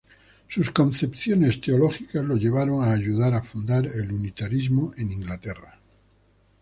Sus concepciones teológicas lo llevaron a ayudar a fundar el unitarismo en Inglaterra.